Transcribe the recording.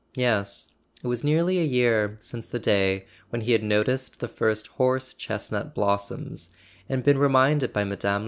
Yes—it was nearly a year since the day when he had noticed the first horse chestnut blossoms, and been reminded by Mme.